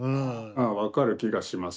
あ分かる気がします。